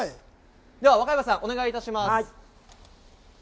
では、若林さん、お願いします。